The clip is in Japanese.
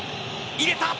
入れた。